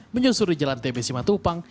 menyusuri jalan tbc matupang